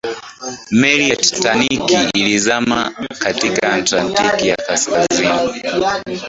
meli ya titanic ilizama katika atlantiki ya kaskazini